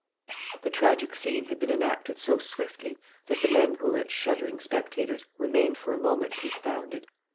The tragic scene had been enacted so swiftly that the men who were its shuddering spectators remained for a moment confounded.